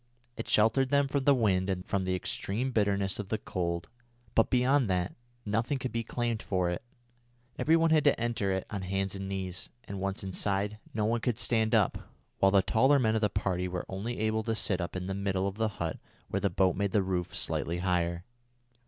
It sheltered them from the wind and from the extreme bitterness of the cold, but beyond that nothing could be claimed for it. Every one had to enter it on hands and knees, and, once inside, no one could stand up, while the taller men of the party were only able to sit up in the middle of the hut where the boat made the roof slightly higher.